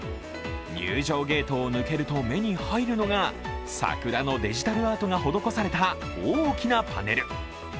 入場ゲートを抜けると目に入るのが桜のデジタルアートが施された大きなパネル。